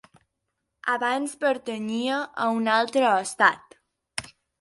Abans pertanyia a un altre estat.